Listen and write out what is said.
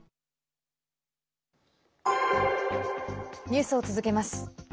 ニュースを続けます。